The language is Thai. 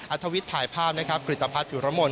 อัตวิทย์ถ่ายภาพนะครับกริตภัทรผิวรมล